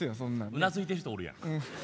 うなずいてる人おるやんか。